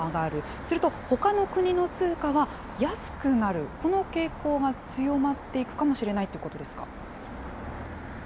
すると、ほかの国の通貨は安くなる、この傾向が強まっていくかもしれないということですか。